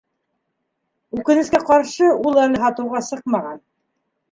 Үкенескә ҡаршы, ул әле һатыуға сыҡмаған